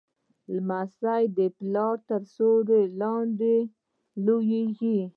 لمسی د پلار تر سیوري لویېږي.